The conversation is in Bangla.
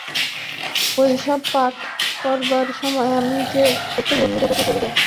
ঐ সব পাঠ করবার সময় আমি যেন সত্যই অন্য জগতে চলে যাই।